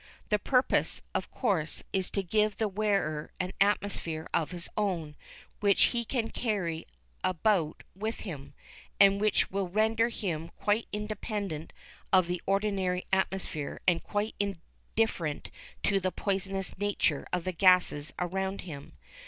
The purpose, of course, is to give the wearer an atmosphere of his own, which he can carry about with him, and which will render him quite independent of the ordinary atmosphere and quite indifferent to the poisonous nature of the gases around him.